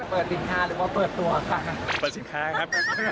เปิดสินค้าหรือเปิดตัวครับ